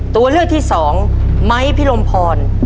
ตัวเลือกที่สองไม้พิรมพร